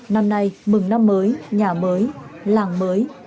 năm nay mừng năm mới nhà mới làng mới